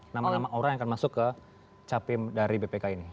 nama nama orang yang akan masuk ke capim dari bpk ini